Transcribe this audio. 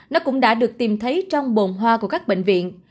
nó cũng đã được tìm thấy trong bồn hoa của các bệnh viện